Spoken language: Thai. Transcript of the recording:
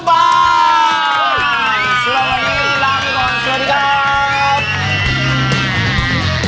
สวัสดีลาไปก่อนสวัสดีครับ